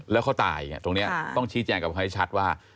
แล้วเขาตายตรงนี้ต้องชี้แจงกับเขาให้ชัดว่า